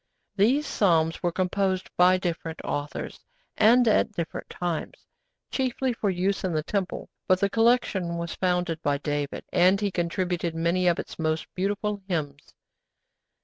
These Psalms were composed by different authors, and at different times, chiefly for use in the Temple, but the collection was founded by David, and he contributed many of its most beautiful hymns.